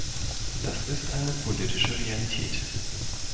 Das ist eine politische Realität.